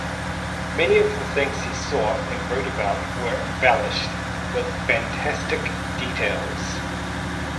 Many of the things he saw and wrote about were embellished with fantastic details.